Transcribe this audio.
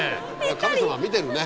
神様は見てるね。